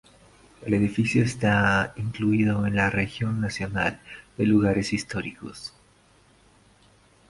El edificio está incluido en el Registro Nacional de Lugares Históricos.